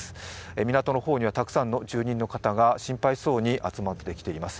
港の方にはたくさんの住人の方が心配そうに集まってきています。